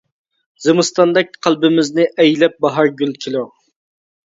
زىمىستاندەك قەلبىمىزنى ئەيلەپ باھار گۈل كېلۇر.